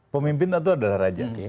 pemimpin itu adalah raja